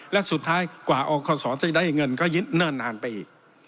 และสุดท้ายกว่าเอาข้อสอบจะได้เงินก็เนิ่นนานไปอีก